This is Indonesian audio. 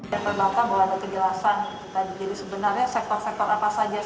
yang pertama bahwa ada kejelasan jadi sebenarnya sektor sektor apa saja sih